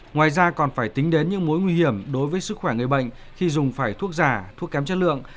ngoài ra còn phải tính đến những mối nguy hiểm đối với sức khỏe người bệnh khi dùng phải thuốc giả thuốc kém chất lượng